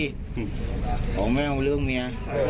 มันบอกไม่เอาเรื่องเมีย